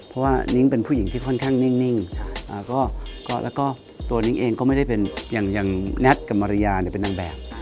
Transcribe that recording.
เพราะว่านิ้งเป็นผู้หญิงที่ค่อนข้างนิ่งแล้วก็ตัวนิ้งเองก็ไม่ได้เป็นอย่างแน็ตกับมาริยาเป็นนางแบบ